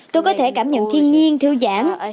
tôi có thể cảm nhận thiên nhiên thư giãn